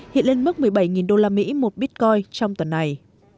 hiện lên mức một mươi bảy đô la mỹ một bitcoin trong tuần này